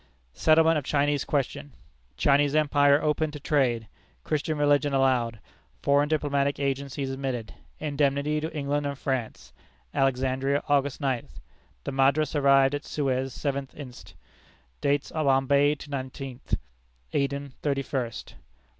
Settlement of Chinese question. Chinese empire opened to trade; Christian religion allowed; foreign diplomatic agents admitted; indemnity to England and France. Alexandria, August ninth. The Madras arrived at Suez seventh inst. Dates Bombay to the nineteenth; Aden, thirty first.